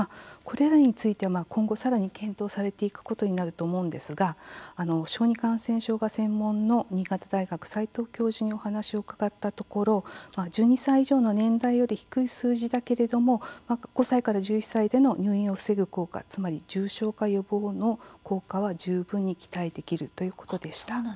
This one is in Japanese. これらについて今後さらに検討されていくことになると思うんですが小児感染症が専門の、新潟大学齋藤教授にお話を伺ったところ１２歳以上の年代より低い数字だけれども５歳から１１歳での入院を防ぐ効果、つまり重症化予防の効果は十分に期待できるということでした。